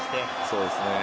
そうですね。